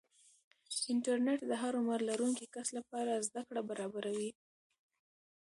انټرنیټ د هر عمر لرونکي کس لپاره زده کړه برابروي.